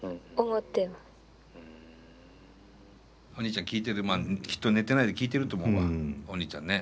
お兄ちゃん聴いてるまあきっと寝てないで聞いてると思うわお兄ちゃんね。